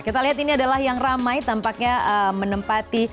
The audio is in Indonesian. kita lihat ini adalah yang ramai tampaknya menempati